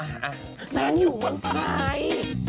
นางอยู่เมืองไทย